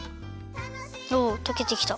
おおとけてきた。